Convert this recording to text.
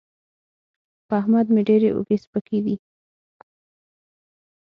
په احمد مې ډېرې اوږې سپکې دي.